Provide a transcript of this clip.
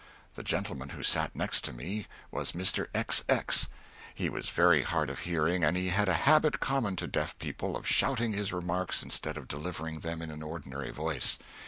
The gentleman who sat next me was Mr. X. X. He was very hard of hearing, and he had a habit common to deaf people of shouting his remarks instead of delivering them in an ordinary voice.